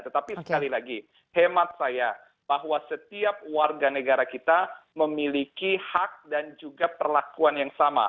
tetapi sekali lagi hemat saya bahwa setiap warga negara kita memiliki hak dan juga perlakuan yang sama